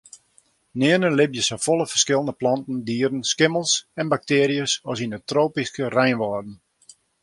Nearne libje safolle ferskillende planten, dieren, skimmels en baktearjes as yn de tropyske reinwâlden.